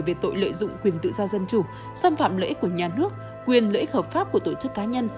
về tội lợi dụng quyền tự do dân chủ xâm phạm lợi ích của nhà nước quyền lợi ích hợp pháp của tổ chức cá nhân